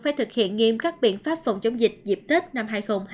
phải thực hiện nghiêm các biện pháp phòng chống dịch dịp tết năm hai nghìn hai mươi bốn